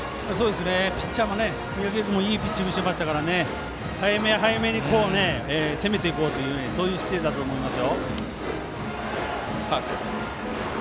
ピッチャーもリリーフもいいピッチングしてましたから早め早めに攻めていこうという姿勢だと思います。